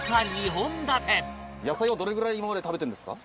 野菜はどれぐらい今まで食べてるんですか？